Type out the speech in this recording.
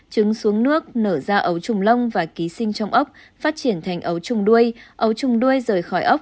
chứng xuống nước nở ra ấu trùng lông và ký sinh trong ốc phát triển thành ấu trùng đuôi